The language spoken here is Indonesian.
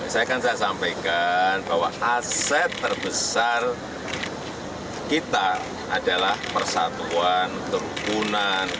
saya kan saya sampaikan bahwa aset terbesar kita adalah persatuan kerukunan